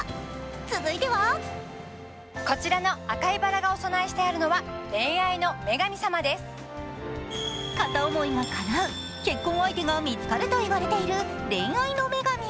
続いては片思いがかなう、結婚相手が見つかると言われている恋愛の女神。